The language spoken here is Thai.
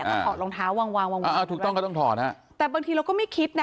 ถอดรองเท้าวางวางวางวางอ่าถูกต้องก็ต้องถอดฮะแต่บางทีเราก็ไม่คิดนะ